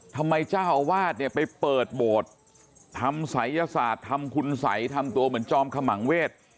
ทำไมเจ้าอาวาสเนี่ยไปเปิดโบสถ์ทำศัยยศาสตร์ทำคุณสัยทำตัวเหมือนจอมขมังเวศ